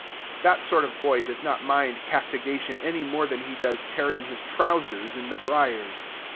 That sort of boy does not mind castigation any more than he does tearing his trousers in the briers.